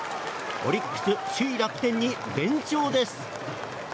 オリックス首位、楽天に連勝です。